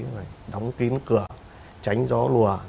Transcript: phải đóng kín cửa tránh gió lùa